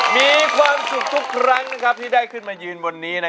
มีความสุขทุกครั้งที่ได้ขึ้นมายืนบนนี้